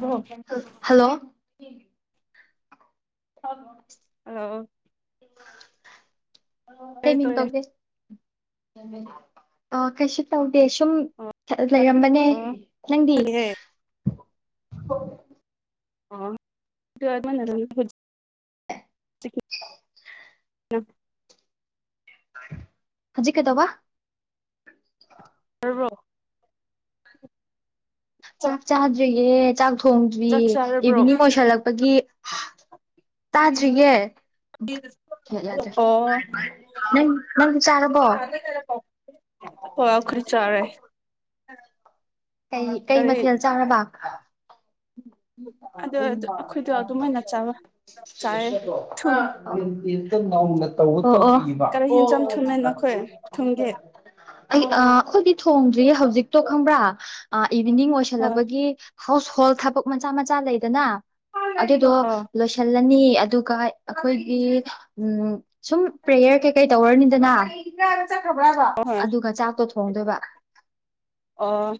ꯍ ꯍꯜꯂꯣ ꯍ ꯍ ꯑ ꯀꯩ ꯃꯤ ꯇꯧꯋꯦ ꯇꯧꯒꯦ ꯑ ꯀ ꯇ ꯗ ꯁꯨꯝ ꯑꯣ ꯂꯩꯔꯝꯕꯅꯦ ꯅꯪꯗꯤ ꯍꯦ ꯍ ꯑꯣ ꯑꯗꯨꯃꯅꯔ ꯆꯞ ꯍꯧꯖꯤ ꯀꯩꯗ ꯋꯥ ꯔꯣ ꯆꯥꯛ ꯆꯥꯗ꯭ꯔꯤꯌꯦ ꯆꯥꯛ ꯆꯥꯛ ꯊꯣꯡꯗ꯭ꯔꯤꯌꯦ ꯆꯥꯔꯕ꯭ꯔꯣ ꯑꯣ ꯏꯚꯤꯅꯤꯡ ꯑꯣꯏꯁꯜꯂꯛꯄꯒꯤ ꯇꯥꯖꯔꯤꯉꯦ ꯎ ꯌꯥꯗ꯭ꯔꯦ ꯅꯪ ꯅꯪꯗꯤ ꯆꯥꯔꯕꯣ ꯍꯣꯏ ꯑꯈꯔꯤ ꯆꯥꯔꯦ ꯀꯩ ꯀꯩ ꯀꯔꯤ ꯃꯊꯦꯜ ꯆꯥꯔꯕ [inaudible] ꯑꯗꯨ ꯑꯩꯈꯣꯏꯗꯣ ꯉꯕ ꯑꯗꯨꯃꯥꯏꯅ ꯆꯥꯕ ꯆꯥꯏꯌꯦ ꯊꯨꯅ ꯀꯔꯤ ꯍꯦꯟꯖꯥꯡ ꯊꯨꯅ ꯅꯈꯣꯏ ꯊꯨꯡꯒꯦ ꯑꯩꯈꯣꯏ ꯊꯣꯡꯗ꯭ꯔꯤ ꯍꯧꯖꯤꯛꯇꯣ ꯈꯪꯕ꯭ꯔꯥ ꯏꯚꯤꯅꯤꯡ ꯍꯣꯏ ꯑꯣꯏꯁꯜꯂꯛꯄꯒꯤ ꯍꯥꯎꯁ ꯍꯣꯜ ꯊꯕꯛ ꯃꯆꯥ ꯃꯆꯥ ꯂꯩꯗꯅ ꯑꯗꯨꯗꯣ ꯑꯣ ꯂꯣꯏꯁꯤꯜꯂꯅꯤ ꯑꯗꯨꯒ ꯑꯩꯈꯣꯏꯒꯤ ꯎ ꯁꯨꯝ ꯄ꯭ꯔꯦꯌꯔ ꯀꯩꯀꯩ ꯇꯧꯔꯅꯤꯗꯅ ꯈ꯭ꯔꯕ ꯍꯣꯏ ꯑꯗꯨꯒ ꯆꯥꯛꯇꯣ ꯊꯣꯡꯗꯣꯏꯕ ꯑꯣ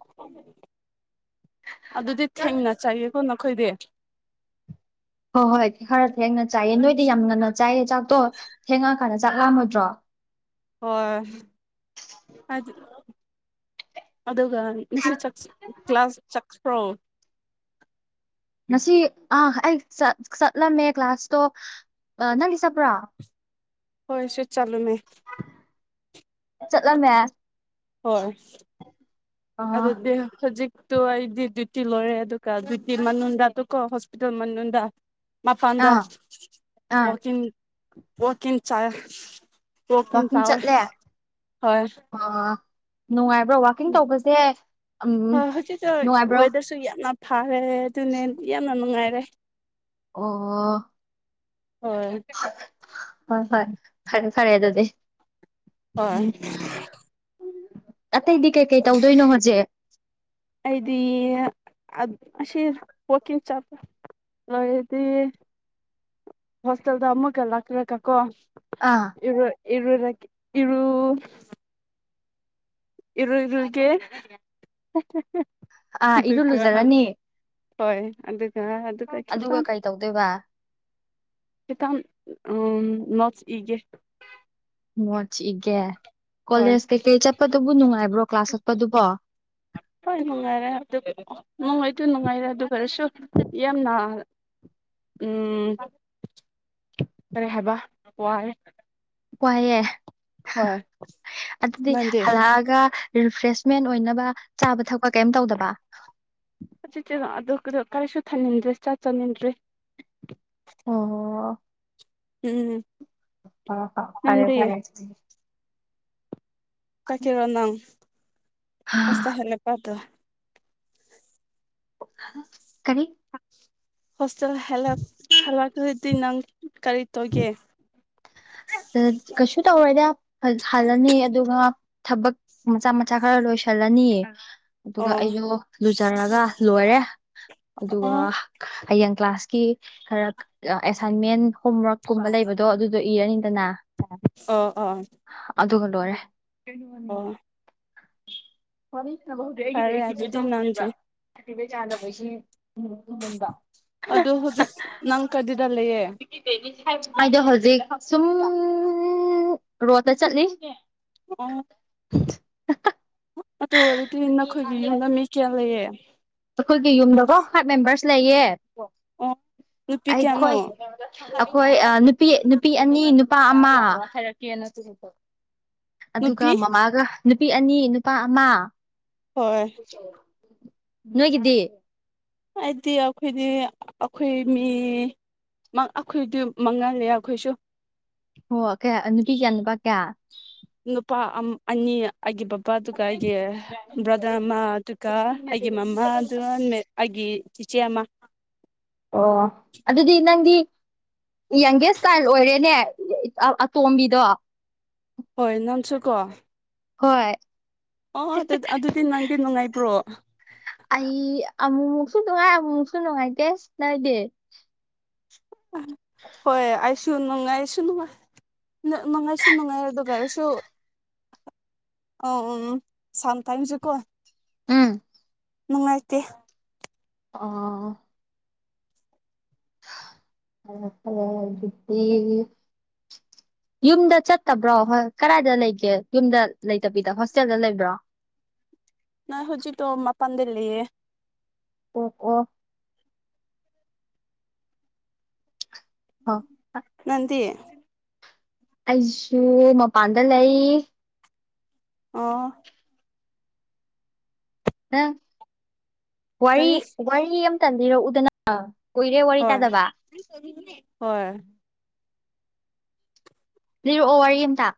ꯑꯗꯨꯗꯤ ꯊꯦꯡꯅ ꯆꯥꯏꯒꯦꯀꯣ ꯈꯣꯏꯗꯦ ꯍꯣꯏ ꯍꯣꯏ ꯈꯔ ꯊꯦꯡꯅ ꯆꯥꯏꯑ ꯅꯣꯏꯗꯤ ꯌꯥꯝ ꯉꯟꯅ ꯆꯥꯏꯌꯦ ꯆ ꯆꯥꯛꯇꯣ ꯊꯦꯡꯉꯛ ꯀꯥꯟꯗ ꯆꯥꯛ ꯌꯥꯝꯃꯗ꯭ꯔꯣ ꯍ ꯑ ꯑꯗꯨꯒ ꯁꯤ ꯀ꯭ꯂꯥꯁ ꯆꯠꯈ꯭ꯔꯣ ꯉꯁꯤ ꯑ ꯑꯩ ꯆꯠꯂꯝꯃꯦ ꯀ꯭ꯂꯥꯁꯇꯣ ꯑ ꯅꯪ ꯆꯄ꯭ꯔꯥ ꯍꯣꯏ ꯁꯤꯠ ꯆꯥꯂꯨꯅꯦ ꯆꯠꯂꯝꯃꯦ ꯍꯣꯏ ꯑ ꯑꯥ ꯑꯗꯨꯗꯤ ꯍꯧꯖꯤꯛ ꯇꯨ ꯑꯩꯗꯤ ꯗ꯭ꯌꯨꯇꯤ ꯂꯣꯏꯔꯦ ꯑꯗꯨꯒ ꯗ꯭ꯌꯨꯇꯤ ꯃꯅꯨꯡꯗꯗ ꯇꯀꯣ ꯍꯣꯁꯄꯤꯇꯥꯜ ꯃꯅꯨꯡꯗ ꯃꯄꯗ ꯑꯥ ꯑꯣ ꯑꯣꯀ ꯆ ꯀꯣꯀꯤꯟ ꯋꯥꯛꯀꯤꯡ ꯇꯋꯔ ꯆꯠꯂꯦ ꯍꯣꯏ ꯑ ꯅꯨꯡꯉꯥꯏꯕ꯭ꯔꯣ ꯋꯥꯛꯀꯤꯡ ꯇꯧꯕꯁꯦ ꯎꯝ ꯅꯨꯡꯉꯥꯏꯕ꯭ꯔꯣ ꯍꯧꯖꯤꯦꯋꯗꯔꯁꯨ ꯌꯥꯝꯅ ꯐꯥꯔꯦ ꯑꯗꯨꯅꯦ ꯌꯥꯝꯅ ꯅꯨꯡꯉꯥꯏꯔꯦ ꯑꯣ ꯍꯣꯏ ꯍꯣꯏ ꯍꯣꯏ ꯐꯔꯦ ꯐꯔꯦ ꯑꯗꯨꯗꯤ ꯍꯣꯢ ꯎꯝ ꯑꯇꯩꯗꯤ ꯀꯩꯀꯩ ꯇꯧꯗꯣꯏꯅꯣ ꯍꯧꯖꯤꯛ ꯑꯩꯗꯤ ꯑꯁꯤꯁ ꯍꯀꯤꯡ ꯆꯥꯄ ꯍꯣꯏꯗꯤ ꯍꯣꯁꯇꯦꯜꯗ ꯑꯃꯛꯀ ꯂꯥꯛꯈ꯭ꯔꯦꯒꯀꯣ ꯑꯥ ꯏꯔ ꯏꯔꯔ ꯏꯔ ꯏꯔꯣ ꯏꯔꯒꯦ ꯑꯥ ꯏꯔ ꯂꯨꯖꯔꯅꯤ ꯍꯣꯏ ꯑꯗꯨꯒ ꯑꯗꯨꯒ ꯑꯗꯨꯒꯈꯤꯄꯥꯝ ꯀꯩ ꯇꯧꯗꯣꯏꯕ ꯆꯀꯥꯟ ꯅꯣꯆ ꯏꯒꯦ ꯆꯤꯒꯦ ꯍꯣꯏ ꯀꯣꯂꯦꯖ ꯀꯩꯀꯩ ꯆꯠꯄꯗꯨꯕꯨ ꯅꯨꯡꯉꯥꯏꯕ꯭ꯔꯣ ꯀ꯭ꯂꯥꯁ ꯆꯠꯄꯗꯨꯕꯣ ꯍꯣꯏ ꯅꯨꯡꯉꯥꯏꯔꯦ ꯑꯗꯨ ꯅꯨꯡꯉꯥꯏꯇ ꯅꯨꯡꯉꯥꯏꯔꯦ ꯑꯗꯨ ꯈꯔꯁꯨ ꯌꯥꯝꯅ ꯎꯝ ꯐꯔꯦ ꯍꯥꯏꯕ ꯋꯥꯔꯦ ꯋꯥꯏꯌꯦ ꯍꯣꯏ ꯑꯗꯨꯗꯤ ꯅꯪꯗꯤ ꯍꯜꯂꯛꯑꯒ ꯔꯤꯐ꯭ꯔꯦꯁꯃꯦꯟ ꯑꯣꯏꯅꯕ ꯆꯥꯕ ꯊꯛꯄ ꯀꯩꯝ ꯇꯧꯗꯕ ꯆꯦ ꯀꯔꯤꯁꯨ ꯊꯝꯅꯤꯡꯟꯗ꯭ꯔꯦꯥꯛ ꯆꯥꯅꯤꯡꯟꯗ꯭ꯔꯦ ꯑꯣ ꯎꯝ ꯍ ꯍ ꯐꯔꯦ ꯅꯪꯗꯤ ꯐꯔꯦ ꯆꯀꯔ ꯅꯥꯡ ꯍꯁ ꯍꯦꯂꯦ ꯄꯗ ꯀꯔꯤ ꯍꯣꯁꯇꯦꯜ ꯍꯜꯂꯛꯄꯗꯤ ꯅꯪ ꯀꯔꯤ ꯇꯧꯒꯦ ꯀꯩꯁꯨ ꯇꯧꯔꯗ ꯍꯜꯂꯅꯤ ꯑꯗꯨꯒ ꯊꯕꯛ ꯃꯆꯥ ꯃꯆꯥ ꯈꯔ ꯂꯣꯏꯁꯜꯂꯅꯤꯌꯦ ꯑꯗꯨꯒ ꯑꯣ ꯑꯩꯁꯨ ꯂꯨꯖꯔꯒ ꯂꯣꯏꯔꯦ ꯑꯗꯨꯒ ꯑꯣ ꯍꯌꯦꯡ ꯀ꯭ꯂꯥꯁꯀꯤ ꯈꯔ ꯑꯦꯁꯥꯏꯟꯃꯦꯟ ꯍꯣꯝꯋꯔꯛꯀꯨꯝꯕ ꯂꯩꯕꯗꯣ ꯑꯗꯨꯗꯣ ꯏꯔꯅꯤ ꯑ ꯑ ꯂꯔꯦ ꯑꯣ ꯍꯅꯤ [inaudible] ꯆꯠꯅꯕ ꯍꯧꯗꯤ ꯑꯩꯒꯤꯗꯤ ꯐꯔꯦ ꯑꯩꯛꯇꯤꯕꯦ ꯑꯗꯨꯗꯤ ꯇꯧꯗ꯭ꯔꯤꯕ꯭ꯔꯥ ꯅꯪꯁꯦ ꯑꯦꯛꯇꯤꯕꯦ ꯆꯥꯗꯅꯕꯩꯁꯤꯗ ꯑꯗꯨ ꯍꯧꯖꯤꯛ ꯅꯪ ꯀ ꯗꯨꯗ ꯑꯩꯗꯣ ꯍꯧꯖꯤꯛ ꯁꯨꯝ ꯔꯣꯠꯇ ꯆꯠꯂꯤ ꯎꯝ [unintelligible] ꯑꯗꯨ ꯑꯣꯏꯔꯗꯤ ꯅꯈꯣꯏꯒꯤ ꯌꯨꯝꯗ ꯃꯤ ꯀꯌꯥ ꯂꯩꯌꯦ ꯑꯈꯣꯏꯒꯤ ꯌꯨꯝꯗꯀꯣ ꯐꯥꯏꯚ ꯃꯦꯝꯕꯔꯁ ꯂꯩꯌꯦ ꯑꯣ ꯅꯨꯄꯤ ꯀꯌꯥꯅꯣ ꯑꯩꯈꯣꯏ ꯑꯈꯣꯏ ꯑ ꯅꯨꯄꯤ ꯅꯨꯄꯤ ꯑꯅꯤ ꯅꯨꯄꯥ ꯑꯃ ꯍꯥꯏꯔꯛꯀꯦ ꯑꯗꯨꯒ ꯅꯨꯄꯤ ꯃꯃꯥꯒ ꯅꯨꯄꯤ ꯑꯅꯤ ꯅꯨꯄꯥ ꯑꯃ ꯍꯣꯏ ꯅꯣꯏꯒꯤꯗꯤ ꯑꯩꯗꯤ ꯑꯈꯣꯏꯗꯤ ꯑꯈꯣꯏ ꯃꯤ ꯃꯪ ꯑꯩꯈꯣꯏꯗꯤ ꯃꯥꯡꯉꯥꯅꯦ ꯑꯩꯈꯣꯏꯁꯨ ꯑꯣ ꯀꯌꯥ ꯅꯨꯄꯤ ꯀꯌꯥ ꯅꯨꯄꯥ ꯀꯌꯥ ꯅꯨꯄꯥ ꯑꯅꯤ ꯑꯩꯒꯤ ꯕꯕꯥꯗꯨꯒ ꯑꯩꯒꯤ ꯕ꯭ꯔꯗꯔ ꯑꯃꯗꯨꯒ ꯑꯩꯒꯤ ꯃꯃꯥ ꯑꯗꯨꯒ ꯑꯩꯒꯤ ꯆꯤꯆꯦ ꯑꯃ ꯑꯣ ꯑꯗꯨꯗꯤ ꯅꯪꯗꯤ ꯌꯪꯒꯦꯁ ꯆꯥꯏꯜ ꯑꯣꯏꯔꯦꯅꯦ ꯑꯇꯣꯝꯕꯤꯗꯣ ꯍꯣꯏ ꯅꯪꯁꯨ ꯀꯣ ꯍꯣꯏ ꯑꯣ ꯑꯗꯨ ꯑꯗꯨꯗꯤ ꯅꯪꯗꯤ ꯅꯨꯡꯉꯥꯏꯕ꯭ꯔꯣ ꯑꯩ ꯑꯃꯨꯛꯃꯨꯛꯁꯨ ꯅꯨꯡꯉꯥꯏ ꯑꯃꯨꯛꯃꯨꯛꯁꯨ ꯅꯨꯡꯉꯥꯏꯇꯦꯁ ꯅꯪꯗꯤ ꯍꯣꯏ ꯑꯥꯏꯁꯨ ꯅꯨ ꯅꯨꯡꯉꯥꯏꯁꯨ ꯅꯨꯡꯉꯥꯏ ꯃꯅꯨꯡꯉꯥꯏꯁꯨ ꯅꯨꯡꯉꯥꯏꯔ ꯑꯗꯨꯗꯨ ꯀꯔꯁꯨꯣ ꯑꯧ ꯎꯝ ꯎꯝ ꯁꯝꯇꯥꯏꯝꯁꯨꯀꯣ ꯎꯝ ꯅꯨꯡꯉꯥꯏꯇꯦ ꯑꯣ ꯐꯔꯦ ꯐꯔꯦ ꯑꯗꯨꯗꯤ ꯌꯨꯝꯗ ꯆꯠꯇꯕ꯭ꯔꯣ ꯍꯣꯏ ꯀꯔꯥꯏꯗ ꯂꯩꯒꯦ ꯌꯨꯝꯗ ꯂꯩꯇꯕꯤꯗ ꯍꯣꯁꯇꯦꯜꯗ ꯂꯩꯕ꯭ꯔꯣ [unintelligible] ꯅꯣꯏ ꯍꯧꯖꯤꯛꯛꯇꯣ ꯃꯄꯥꯟꯗ ꯂꯩꯌꯦ ꯑꯣ ꯑꯣ [unintelligible] ꯅꯪꯗꯤ ꯑꯩꯁꯨ ꯃꯄꯥꯟꯗ ꯂꯩ ꯑꯣ ꯑ ꯋꯥꯔꯤ ꯀꯔꯤ ꯋꯥꯔꯤ ꯑꯃꯇꯪ ꯂꯤꯔꯛꯎꯗꯅ ꯍꯣꯏ ꯍꯣꯏ ꯂꯤꯔꯛꯑꯣ ꯋꯥꯔꯤ ꯑꯝꯇ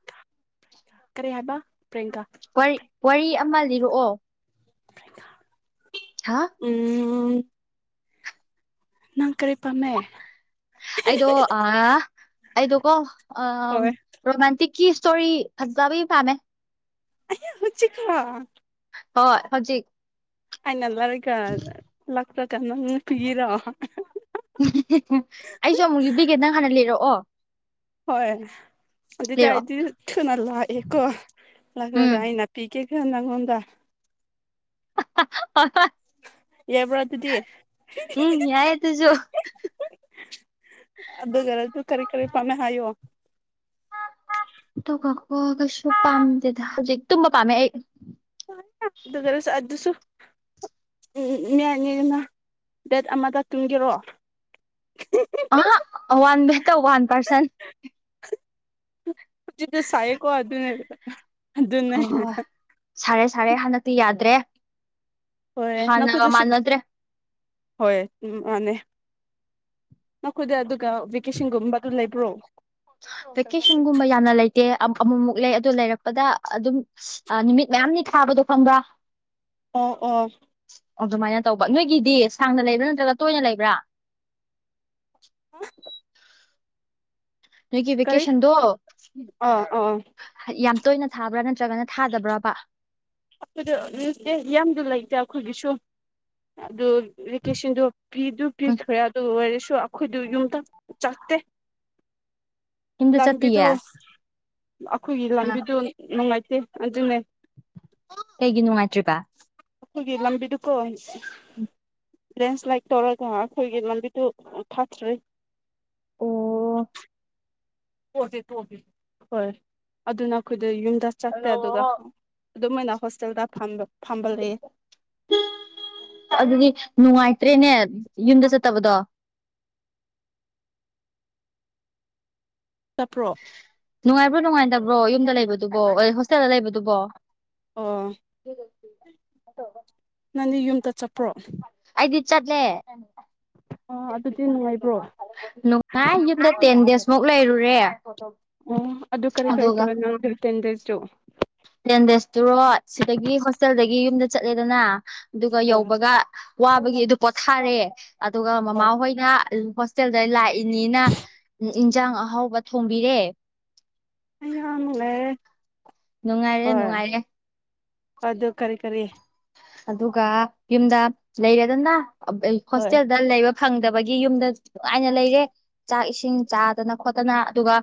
ꯀꯔꯦ ꯍꯥꯏꯕ ꯄ꯭ꯔꯦꯡꯀꯥ ꯋꯥꯔꯤ ꯋꯥꯔꯤ ꯑꯃ ꯂꯤꯔꯛꯑꯣ ꯍꯥ ꯎꯝ ꯅꯪ ꯀꯔꯤ ꯄꯥꯝꯃꯦ ꯑꯩꯗꯣ ꯑ ꯑꯩꯗꯀꯣ ꯑ ꯍꯣꯏ ꯔꯣꯃꯥꯟꯇꯤꯛ ꯀꯤ ꯏꯁꯇꯣꯔꯤ ꯐꯖꯕꯩ ꯄꯥꯝꯃꯦ ꯑꯌꯥ ꯍꯨꯖꯤꯛꯔꯣ ꯍꯣꯏ ꯍꯧꯖꯤꯛ ꯑꯩꯅ ꯂꯥꯏꯔꯤꯛꯀ ꯂꯥꯛꯄ꯭ꯔꯒ ꯅꯪ ꯄꯤꯕꯤꯔꯣꯑꯣ ꯑꯩꯁꯨ ꯑꯃꯨꯛ ꯌꯕꯤꯒꯦ ꯅꯪ ꯍꯥꯟꯅ ꯂꯩꯔꯛꯑꯣ ꯍꯣꯏ ꯑꯗꯨ ꯑꯗꯨꯗꯤ ꯂꯤꯔꯛꯑꯣ ꯍꯥꯏꯗꯤ ꯊꯨꯅ ꯂꯛꯑꯦꯀꯣ ꯂꯥꯛꯂꯒ ꯎꯝ ꯑꯩꯅꯅꯥ ꯄꯤꯒꯦ ꯈꯔ ꯅꯪꯉꯣꯟꯗ [unintelligible] ꯌꯥꯕ꯭ꯔꯥ ꯑꯗꯨꯗꯤ ꯎꯝ ꯌꯥꯏ ꯇꯁꯨ ꯑꯗꯨꯔ ꯑꯗꯨ ꯀꯔꯤ ꯀꯔꯤ ꯄꯥꯝꯃꯦ ꯍꯥꯏꯌꯣ ꯀꯣ ꯀꯩꯁꯨ ꯄꯥꯝꯗꯦꯗ ꯍꯧꯖꯤꯛ ꯇꯨꯝꯕ ꯄꯥꯝꯃꯦ ꯑꯩ ꯑꯗꯨ ꯀꯂꯁꯨ ꯑꯗꯨꯁꯨ ꯎꯝ ꯃꯅꯦꯅ ꯗꯦꯠ ꯑꯃꯗ ꯇꯨꯝꯒꯦꯔꯛꯑꯣ ꯑ ꯋꯥꯟꯦꯇꯔ ꯋꯥꯟ ꯄꯔꯁꯟ ꯍꯧꯖꯤꯗ ꯁꯥꯏꯀꯣ ꯑꯗꯨꯅꯦ ꯑꯗꯨ ꯑꯗꯨꯅ ꯍꯣꯏ ꯍꯣꯏ ꯁꯥꯔꯦ ꯁꯥꯔꯦ ꯍꯟꯗꯛꯇꯤ ꯌꯥꯗ꯭ꯔꯦ ꯍꯣꯏ ꯅꯈꯣꯏ ꯍꯥꯟꯅꯒ ꯑꯗꯨꯁꯨ ꯃꯥꯟꯅꯗ꯭ꯔꯦ ꯍꯣꯏ ꯎ ꯃꯥꯅꯦ ꯅꯈꯣꯏꯗ ꯑꯗꯨꯒ ꯚꯦꯀꯦꯁꯟꯒꯨꯝꯕꯒ ꯂꯩꯕ꯭ꯔꯣ ꯚꯦꯀꯦꯁꯟꯒꯨꯝꯕ ꯌꯥꯝꯅ ꯂꯩꯇꯦ ꯑꯃꯃꯨꯛ ꯂꯩ ꯑꯗꯨ ꯂꯩꯔꯛꯄꯗ ꯑꯗꯨꯝ ꯅꯨꯃꯤꯠ ꯀꯌꯥꯝꯅꯤ ꯊꯥꯕꯗꯣ ꯈꯪꯕ꯭ꯔꯥ ꯑꯣ ꯑꯣ ꯑꯗꯨꯃꯥꯏꯅ ꯇꯧꯕ ꯅꯣꯏꯒꯤꯗꯤ ꯁꯥꯡꯅ ꯂꯩꯕ꯭ꯔꯥ ꯅꯠꯇ꯭ꯔꯒ ꯇꯣꯏꯅ ꯂꯩꯕ꯭ꯔꯥ ꯅꯣꯏꯒꯤ ꯀꯔꯤ ꯚꯦꯀꯦꯁꯟꯗꯣ ꯑꯥ ꯑꯥ ꯌꯥꯝ ꯇꯣꯏꯅ ꯊꯥꯕ꯭ꯔꯥ ꯅꯠꯇ꯭ꯔꯒꯅ ꯊꯥꯗꯕ꯭ꯔꯕ ꯑꯩꯈꯣꯏꯗꯇꯦ ꯌꯥꯝꯁꯨ ꯂꯩꯇꯦ ꯑꯩꯈꯣꯏꯒꯤꯁꯨ ꯑꯗꯨ ꯏꯔꯤꯀꯦꯁꯟꯗꯣ ꯄꯤꯗꯨ ꯎꯝ ꯄꯤꯈ꯭ꯔꯦ ꯑꯗꯨ ꯑꯣꯏꯔꯁꯨ ꯑꯩꯈꯣꯏꯗꯨ ꯌꯨꯝꯗ ꯆꯠꯇꯦ ꯌꯨꯝꯗ ꯂꯝꯕꯤꯗꯨ ꯆꯠꯇꯤꯌꯦ ꯑꯩꯈꯣꯏꯒꯤ ꯑ ꯂꯥꯡꯕꯤꯗꯨ ꯅꯨꯡꯉꯥꯏꯇꯦ ꯑꯗꯨꯅꯦ ꯀꯩꯒꯤ ꯅꯨꯡꯉꯥꯏꯇ꯭ꯔꯤꯕ ꯑꯒꯤ ꯂꯝꯕꯤꯗꯨꯀꯣ ꯍꯥꯏꯁꯤ ꯎꯝ ꯂꯦꯟꯁ꯭ꯂꯥꯏꯠ ꯇꯧꯔꯒ ꯑꯩꯈꯣꯏꯒꯤ ꯂꯝꯕꯤꯗꯨ ꯊꯥꯊꯔꯤ ꯑꯣ ꯣꯕꯤ ꯇꯣꯕꯤ ꯍꯣꯏ ꯑꯗꯨꯅ ꯑꯩꯈꯣꯏꯗ ꯌꯨꯝꯗ ꯆꯠꯇꯦ ꯑꯗꯨꯒ ꯑꯗꯨꯝꯥꯏꯅ ꯍꯣꯁꯇꯦꯜꯗ ꯐꯝꯕ ꯐꯝꯕ ꯂꯩꯌꯦ ꯑꯗꯨꯗꯤ ꯅꯨꯡꯉꯥꯏ ꯆꯠꯇ꯭ꯔꯦꯅꯦ ꯌꯨꯝꯗ ꯆꯠꯇꯕꯗꯣ ꯆꯠꯄ꯭ꯔꯣ ꯅꯨꯡꯉꯥꯏꯕ꯭ꯔꯣ ꯅꯨꯡꯉꯥꯏꯇꯕ꯭ꯔꯣ ꯌꯨꯝꯗ ꯂꯩꯕꯗꯨꯕꯣ ꯍꯣꯁꯇꯦꯜꯗ ꯂꯩꯕꯗꯨꯕꯣ ꯑ ꯍꯗꯣ ꯅꯪꯗꯤ ꯌꯨꯝꯗ ꯆꯠꯄ꯭ꯔꯣ ꯆꯠꯅꯦ ꯑꯣ ꯑꯗꯨꯗꯤ ꯅꯨꯡꯉꯥꯏꯕ꯭ꯔꯣ ꯅꯨꯡꯉꯥꯏ ꯌꯨꯝꯗ ꯇꯦꯟ ꯗꯦꯖꯃꯨꯛ ꯂꯩꯔꯨꯔꯦ ꯑꯣ ꯑꯗꯨ ꯀꯔꯤ ꯀꯔꯤ ꯑꯗꯨꯒ ꯇꯧ ꯅ ꯇꯦꯟ ꯗꯦꯖꯣ ꯇꯦꯟ ꯗꯦꯖꯇꯨꯔꯣ ꯁꯤꯗꯒꯤ ꯍꯣꯁꯇꯦꯜꯗꯒꯤ ꯌꯨꯝꯗ ꯆꯠꯂꯦꯗꯅ ꯑꯗꯨꯒ ꯍꯣꯏ ꯌꯧꯕꯒ ꯋꯥꯕꯒꯤ ꯑꯗꯨ ꯄꯣꯊꯥꯔꯦ ꯑꯗꯨꯒ ꯍꯣꯏ ꯃꯃꯥꯍꯣꯏꯅ ꯍꯣꯁꯇꯦꯜꯗ ꯂꯥꯛꯏꯅꯤꯅ ꯏꯟꯁꯥꯡ ꯑꯍꯥꯎꯕ ꯊꯣꯡꯕꯤꯔꯦ ꯑꯂꯦ ꯅꯨꯡꯉꯥꯏꯔꯦ ꯅꯨꯡꯉꯥꯏꯔꯦ ꯑꯗ ꯀꯔꯤ ꯀꯔꯤ ꯑꯗꯨꯒ ꯌꯨꯝꯗ ꯂꯩꯔꯦꯗꯅ ꯍꯣꯏ ꯍꯣꯁꯇꯦꯜꯗ ꯂꯩꯕ ꯐꯪꯗꯕꯒꯤ ꯌꯨꯝꯗ ꯅꯨꯡꯉꯥꯏꯅ ꯂꯩꯔꯦ ꯆꯥꯛ ꯏꯁꯤꯡ ꯆꯥꯗꯅ ꯈꯣꯠꯇꯅ ꯑꯗꯨꯒ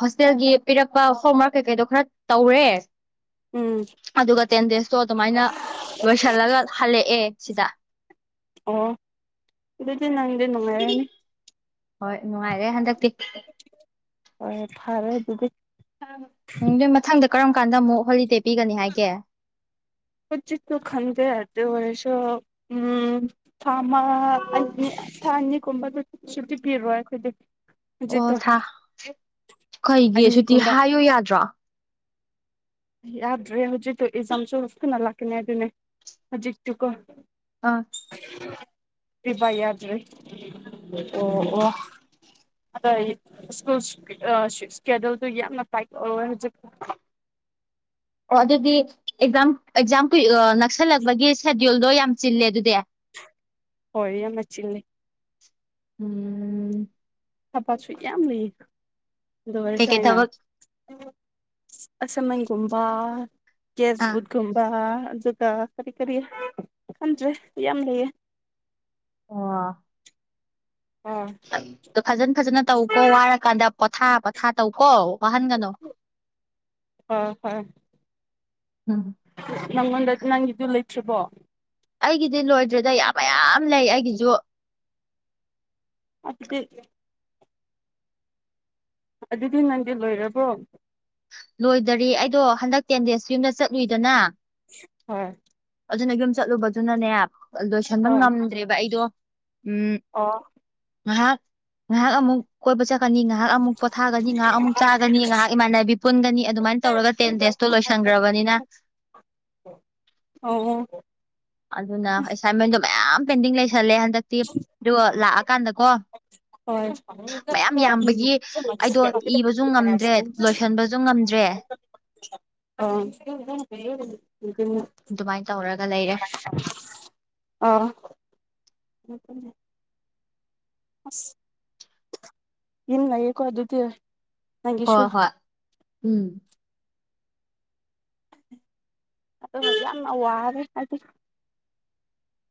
ꯍꯣꯁꯇꯦꯜꯒꯤ ꯄꯤꯔꯛꯄ ꯍꯣꯝꯋꯥꯔꯛ ꯀꯩꯀꯩꯗꯣ ꯈꯔ ꯇꯧꯔꯦ ꯎꯝ ꯑꯗꯨꯒ ꯇꯦꯟ ꯗꯦꯖꯇꯣ ꯑꯗꯨꯃꯥꯏꯅ ꯤꯁꯜꯂꯒ ꯍꯜꯂꯛꯑꯦ ꯁꯤꯗ ꯑꯣ ꯑꯗꯨꯗꯤ ꯅꯪꯗꯤ ꯅꯨꯡꯉꯥꯏꯔꯅꯤ ꯍꯣꯏ ꯅꯨꯡꯉꯥꯏꯔꯦ ꯍꯟꯗꯛꯇꯤ ꯍ ꯊꯔ ꯑꯗꯨꯕ ꯅꯣꯏ ꯃꯊꯪꯗ ꯀꯔꯝ ꯀꯥꯟꯗ ꯑꯃꯨꯛ ꯍꯣꯂꯤꯗꯦ ꯄꯤꯒꯅꯤ ꯍꯥꯏꯒꯦ ꯈꯨꯖꯤꯁꯨꯨ ꯈꯟꯗꯦ ꯑꯗꯨ ꯑꯗꯨ ꯑꯣꯏꯔꯁ ꯎꯝ ꯊꯥ ꯑꯃ ꯑꯅꯤ ꯊꯥ ꯑꯅꯤꯒꯨꯝꯕꯗꯨ ꯁꯨ ꯄꯤꯕꯤꯔꯣ ꯑꯩꯈꯣꯏꯗꯗꯤ ꯑꯣ ꯁꯥ ꯀꯩꯒꯤ ꯁꯨꯇꯤ ꯑꯅꯤꯒꯨꯝꯕ ꯍꯥꯏꯌꯨ ꯌꯥꯗ꯭ꯔꯣ ꯌꯥꯗ꯭ꯔꯦ ꯍꯧꯖꯤꯛꯇꯣ ꯑꯦꯛꯖꯥꯝꯁꯨ ꯀꯅ ꯂꯥꯛꯀꯅꯤ ꯑꯗꯨꯅꯦ ꯍꯧꯖꯤꯛꯇꯤꯀꯣ ꯑꯥ ꯑꯗꯨꯔꯤꯚꯏ ꯌꯥꯗ꯭ꯔꯦ ꯑꯣ ꯑꯣ ꯑꯗ ꯁꯀꯨꯜ ꯏꯁꯀꯦꯗꯨꯜꯗꯨ ꯌꯥꯝꯅ ꯄꯥꯏꯛ ꯑꯣꯏ ꯍꯧꯖꯤꯛ [unintelligible] [unintelligible] ꯑꯣ ꯑꯗꯨꯗꯤ ꯑꯦꯛꯖꯥꯝ ꯑꯦꯛꯖꯥꯝ ꯀꯏ ꯅꯛꯁꯜꯂꯛꯄꯒꯤ ꯁꯦꯗ꯭ꯌꯨꯜꯗꯣ ꯌꯥꯝ ꯆꯤꯜꯂꯦ ꯑꯗꯨꯗꯤ [unintelligible] ꯍꯣꯏ ꯌꯥꯝꯅꯆꯤꯉꯦ ꯎꯝ ꯊꯄꯥꯁꯨꯨ ꯌꯥꯝ ꯂꯩ ꯗ ꯀꯩꯀꯩ ꯑꯣꯏꯔꯁꯥꯏꯅ ꯊꯕꯛ ꯑꯁꯃꯟꯒꯨꯝꯕ ꯀꯦꯁ ꯑꯥ ꯐꯨꯠꯒꯨꯝꯕ ꯑꯗꯨꯒ ꯀꯔꯤ ꯀꯔꯤ ꯈꯟꯗ꯭ꯔꯦ ꯌꯥꯝ ꯂꯩꯌꯦ ꯑ ꯑꯥ ꯑꯣ ꯐꯖꯟ ꯐꯖꯅ ꯇꯧꯀꯣ ꯋꯥꯔꯀꯥꯟꯗ ꯄꯣꯊꯥ ꯄꯣꯊꯥ ꯇꯧ ꯀꯣ ꯋꯥꯍꯥꯟꯒꯅꯣ ꯍꯣꯏ ꯍꯣꯏ ꯎꯝ ꯅꯪꯉꯣꯟꯗ ꯅꯪꯒꯤꯗꯨ ꯂꯩꯇ꯭ꯔꯤꯕꯣ ꯑꯩꯒꯤꯗꯤ ꯂꯣꯏꯗ꯭ꯔꯦꯗ ꯌꯥꯝ ꯃꯌꯥꯝ ꯂꯩ ꯑꯩꯒꯤꯁꯨ ꯑꯗꯨꯗꯤ ꯑꯗꯨꯗꯤ ꯅꯪꯗꯤ ꯂꯣꯏꯔꯕꯣ ꯂꯣꯏꯗꯔꯤ ꯑꯩꯗꯣ ꯍꯟꯗꯛ ꯇꯦꯟ ꯗꯦꯖꯁꯨ ꯌꯨꯝꯗ ꯆꯠꯂꯨꯏꯗꯅ ꯍꯥ ꯑꯗꯨꯅ ꯌꯨꯝ ꯆꯠꯂꯨꯕꯗꯨꯅꯅꯦ ꯂꯣꯏꯁꯟꯕ ꯉꯝꯗ꯭ꯔꯦꯕ ꯑꯩꯗꯣ ꯎꯝ ꯑꯣ ꯉꯥꯏꯍꯥꯛ ꯉꯥꯏꯍꯥꯛ ꯑꯃꯨꯛ ꯀꯣꯏꯕ ꯆ ꯆꯥꯛꯀꯅꯤ ꯉꯥꯏꯍꯥꯛ ꯑꯃꯨꯛ ꯄꯣꯊꯥꯒꯅꯤ ꯉꯥꯏꯍꯥꯛ ꯑꯃꯨꯛ ꯆꯥꯒꯅꯤ ꯉꯥꯏꯍ ꯏꯃꯥꯟꯅꯕꯤ ꯄꯨꯟꯗꯅꯤ ꯑꯗꯨꯃꯥꯏꯅ ꯇꯧꯔꯒ ꯇꯦꯟ ꯗꯦꯖꯇꯣ ꯂꯣꯏꯁꯟꯈ꯭ꯔꯕꯅꯤꯅ ꯑꯣ ꯑꯗꯨꯅ ꯑꯦꯁꯥꯏꯟꯃꯦꯟꯗꯣ ꯃꯌꯥꯝ ꯄꯦꯟꯗꯤꯡ ꯂꯩꯁꯜꯂꯦ ꯍꯟꯗꯛꯇꯤ ꯑꯣ ꯂꯥꯛꯑꯀꯥꯟꯗꯀꯣ ꯍꯣꯏ ꯃꯌꯥꯝ ꯌꯥꯝꯕꯒꯤ ꯑꯩꯗꯣ ꯏꯕꯁꯨ ꯉꯝꯗ꯭ꯔꯦ ꯂꯣꯏꯁꯤꯟꯕꯁꯨ ꯉꯝꯗ꯭ꯔꯦ [unintelligible] ꯑ ꯑꯗꯨꯃꯥꯏꯅ ꯇꯧꯔꯒ ꯂꯩꯔꯦ ꯑꯥ ꯑꯗꯨ ꯑꯁ ꯏꯜ ꯌꯦꯀꯣꯋꯥ ꯑꯗꯨꯗꯤ ꯅꯪꯒꯤꯁꯨ ꯍꯣꯏ ꯍꯣꯏ ꯎꯝ ꯑ ꯌꯥꯝ ꯋꯥꯔꯦ ꯍꯥꯏꯗꯤ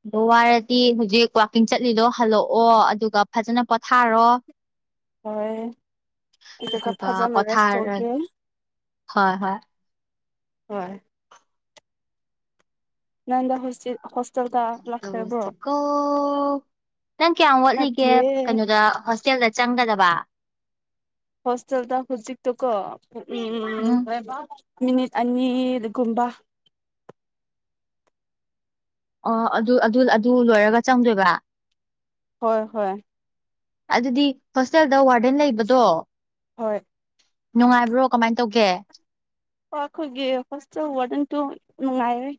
ꯑꯗꯨ ꯋꯥꯔꯗꯤ ꯍꯧꯖꯤꯛ ꯋꯥꯋꯥꯛꯀꯤꯡ ꯆꯠꯂꯤꯗꯣ ꯍꯜꯂꯛꯑꯣ ꯑꯗꯨꯒ ꯐꯖꯅ ꯄꯣꯊꯥꯔꯣ ꯍꯣꯏ ꯀꯣ ꯑꯗꯨꯒ ꯀꯊꯥꯖ ꯔꯦ ꯄꯣꯊꯥꯔ ꯁꯇꯣꯛꯦ ꯍꯣꯏ ꯍꯣꯏ ꯍꯣꯏ ꯅꯗ ꯍꯁ ꯍ ꯑ ꯇꯁꯤꯀꯣ ꯅꯪ ꯀꯌꯥꯝ ꯋꯥꯠꯂꯤꯒꯦ ꯅꯠꯇꯦ ꯀꯩꯅꯣꯗ ꯍꯣꯁꯇꯦꯜꯗ ꯆꯪꯒꯗꯕ ꯍꯣꯁꯇꯦꯜꯗ ꯍꯨꯖꯤꯛ ꯇ ꯀꯣ ꯎꯝ ꯃꯤꯅꯤꯠ ꯑꯅꯤꯒꯨꯝꯕ ꯑꯣ ꯑꯗꯨ ꯑꯗꯨ ꯂꯣꯏꯔꯒ ꯆꯪꯗꯣꯏꯕ ꯍꯣꯏ ꯍꯣꯏ ꯑꯗꯨꯗꯤ ꯍꯣꯁꯇꯦꯜꯗ ꯋꯥꯔꯗꯦꯟ ꯂꯩꯕꯗꯣ ꯍꯣꯏ ꯅꯨꯡꯉꯥꯏꯕ꯭ꯔꯣ ꯀꯃꯥꯏꯅ ꯇꯧꯒꯦ ꯍ ꯑꯩꯈꯣꯏꯒꯤ ꯍꯣꯁꯇꯦꯜ ꯋꯥꯔꯗꯟꯇꯣ ꯅꯨꯡꯉꯥꯏꯔꯦ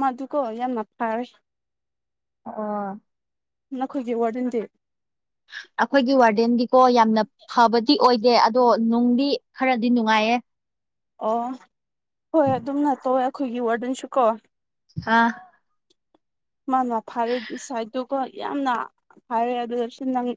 ꯃꯗꯨꯀꯣ ꯌꯥꯝꯅ ꯐꯔꯦ ꯑ ꯅꯈꯣꯏꯒꯤ ꯋꯥꯔꯗꯟꯗꯤ [inaudible] ꯑꯩꯈꯣꯏꯒꯤ ꯋꯥꯔꯗꯦꯟꯒꯤꯀꯣ ꯌꯥꯝꯅ ꯐꯕꯗꯤ ꯑꯣꯏꯗꯦ ꯑꯗꯣ ꯅꯨꯡꯗꯤ ꯈꯔꯗꯤ ꯅꯨꯡꯉꯥꯏꯌꯦ ꯑꯣ ꯍꯣꯏ ꯑꯗꯨꯝꯅ ꯇꯧꯋꯦ ꯑꯩꯈꯣꯏꯒꯤ ꯋꯥꯔꯗꯟꯁꯨ ꯀꯣ ꯍꯥꯥ ꯃꯥꯅ ꯐꯥꯔꯦ ꯁꯥꯏꯠꯇꯨꯒ ꯌꯥꯝꯅ ꯐꯔꯦ ꯑꯗꯨꯁꯨ ꯅꯪ